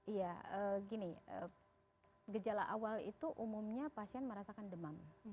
iya gini gejala awal itu umumnya pasien merasakan demam